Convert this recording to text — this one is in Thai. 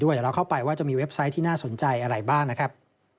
เดี๋ยวเราเข้าไปว่าจะมีเว็บไซต์ที่น่าสนใจอะไรบ้างนะครับ